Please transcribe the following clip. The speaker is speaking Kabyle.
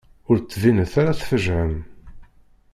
Ur d-ttbinet ara tfejεem.